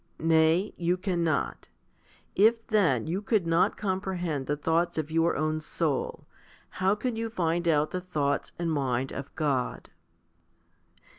Nay, you cannot. If then you could not comprehend the thoughts of your own soul, how can you find out the thoughts and mind of God